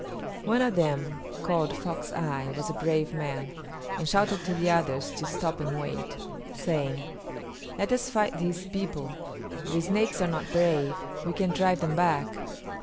One of them, called Fox Eye, was a brave man, and shouted to the others to stop and wait, saying, "Let us fight these people; the Snakes are not brave; we can drive them back."